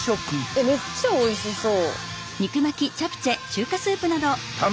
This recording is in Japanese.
えっめっちゃおいしそう。